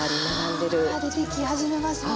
あ出てき始めますもんね。